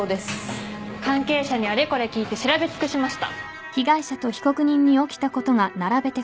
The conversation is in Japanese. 関係者にあれこれ聞いて調べ尽くしました。